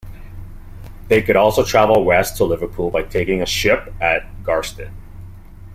They could also travel west to Liverpool by taking a ship at Garston.